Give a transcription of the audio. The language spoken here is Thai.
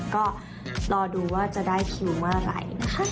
ก็รอดูว่าจะได้คิวเมื่อไหร่นะคะ